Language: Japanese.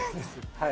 はい。